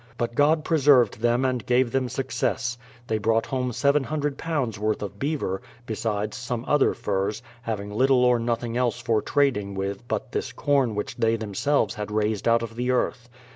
But God preserved them and gave them success. They brought home £700 worth of beaver, besides some other furs, having little or nothing else for trading with but this corn which they themselves had raised out of the earth.